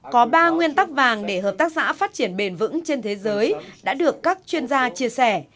có ba nguyên tắc vàng để hợp tác xã phát triển bền vững trên thế giới đã được các quục tác xã thành viên của việt nam đã tạo ra